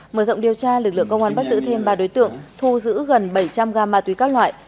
mở rộng điều tra lực lượng công an bắt giữ thêm ba đối tượng thu giữ gần bảy trăm linh gam ma túy các loại